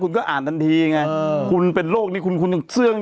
คุณก็อ่านทันทีไงคุณเป็นโรคนี้คุณคุณยังเสื้อง